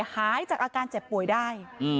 หายจากอาการเจ็บป่วยได้